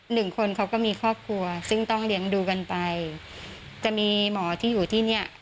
หนึ่งคนเขาก็มีครอบครัวซึ่งต้องเลี้ยงดูกันไปจะมีหมอที่อยู่ที่เนี้ย